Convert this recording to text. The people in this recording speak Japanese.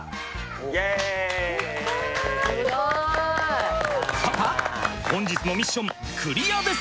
すごい！パパ本日のミッションクリアです！